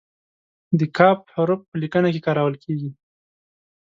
د "ک" حرف په لیکنه کې کارول کیږي.